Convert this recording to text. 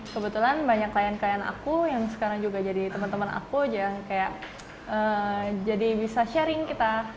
kebetulan banyak klien klien aku yang sekarang juga jadi teman teman aku yang kayak jadi bisa sharing kita